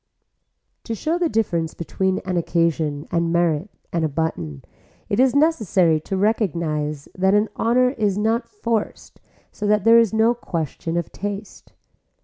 To show the difference between an occasion and merit and a button it is necessary to recognise that an honor is not forced so that there is no question of taste.